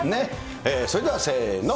それではせーの。